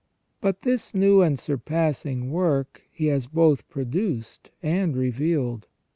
331 But this new and surpassing work He has both produced and revealed.